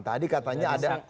tadi katanya ada